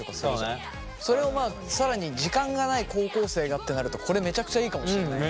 それを更に時間がない高校生がってなるとこれめちゃくちゃいいかもしれないね。